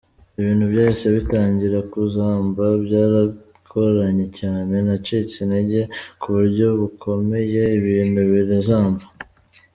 Ibintu byahise bitangira kuzamba, byaragoranye cyane, nacitse intege ku buryo bukomeye ibintu birazamba.